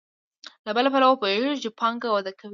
له بل پلوه پوهېږو چې پانګه وده کوي